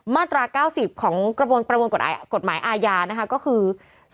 มาตรา๙๐ของกระบวนกฎหมายอาญานะคะก็คือ